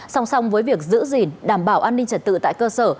song song với việc giữ gìn đảm bảo an ninh trật tự tại cơ sở